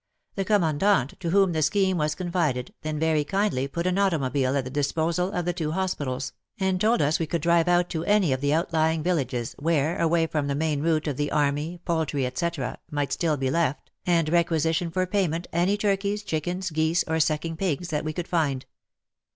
The Commandant, to whom the scheme was confided, then very kindly put an automobile at the disposal of the two hospitals, and told us we could drive out to any of the outlying villages, where, away from the main route of the army, poultry, etc., might still be left, and requisition, for payment, any turkeys, chickens, geese, or sucking pigs that we could find.